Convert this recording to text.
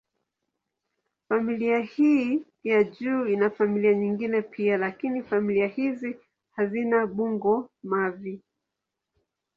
Familia hii ya juu ina familia nyingine pia, lakini familia hizi hazina bungo-mavi.